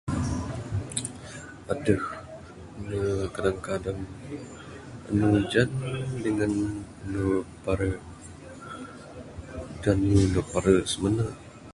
Adeh ne kadang kadang anu ujan dangan anu pare adeh anu ne pare simene.